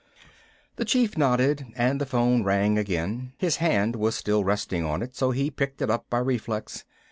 The Chief nodded and the phone rang again. His hand was still resting on it so he picked it up by reflex.